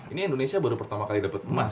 ini indonesia baru pertama kali dapat emas